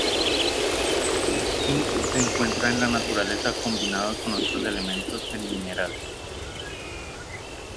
El cinc se encuentra en la naturaleza combinado con otros elementos en minerales.